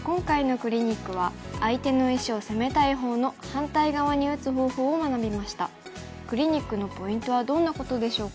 クリニックのポイントはどんなことでしょうか。